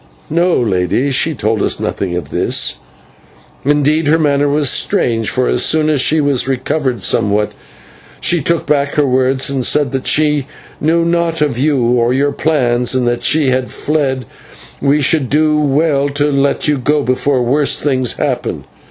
"No, Lady, she told us nothing of all this. Indeed, her manner was strange; for, so soon as she was recovered somewhat, she took back her words, and said that she knew naught of you or of your plans, and that if you had fled we should do well to let you go before worse things happened.